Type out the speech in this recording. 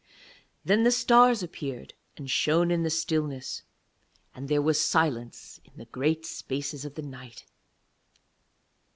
Then the stars appeared and shone in the stillness, and there was silence in the great spaces of the night.